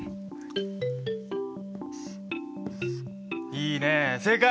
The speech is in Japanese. いいねえ正解！